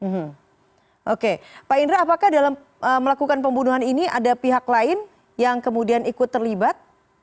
hmm oke pak indra apakah dalam melakukan pembunuhan ini ada pihak lain yang kemudian ikut terlibat